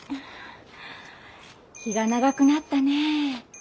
日が長くなったねえ。